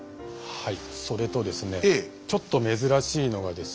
はい。